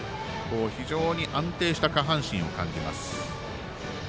非常に安定した下半身を感じます。